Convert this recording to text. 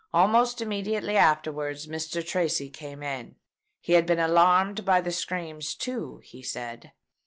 Almost immediately afterwards Mr. Tracy came in. He had been alarmed by the screams too, he said.